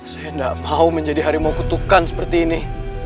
saya tidak mau menjadi harimau kutukan seperti ini